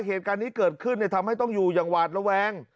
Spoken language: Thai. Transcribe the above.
เหตุการณ์นี้เกิดขึ้นทำให้ต้องอยู่อย่างหวาดระแวง